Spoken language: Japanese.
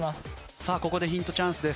さあここでヒントチャンスです。